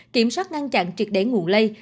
kiểm soát ngăn chặn triệt đế nguồn lây